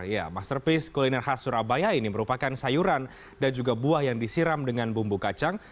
ya masterpiece kuliner khas surabaya ini merupakan sayuran dan juga buah yang disiram dengan bumbu kacang